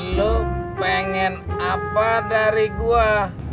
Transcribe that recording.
lo pengen apa dari gua